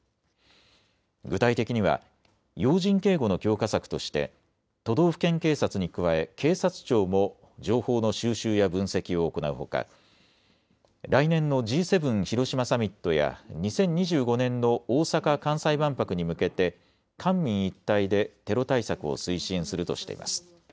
具体的には要人警護の強化策として都道府県警察に加え警察庁も情報の収集や分析を行うほか来年のＧ７広島サミットや２０２５年の大阪・関西万博に向けて官民一体でテロ対策を推進するとしています。